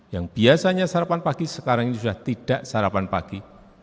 yang biasanya sarapan pagi sekarang ini sudah tidak sarapan pagi